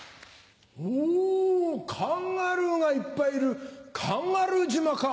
おカンガルーがいっぱいいるカンガルー島か。